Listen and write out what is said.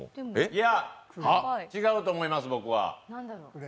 いや、違うと思います、僕は。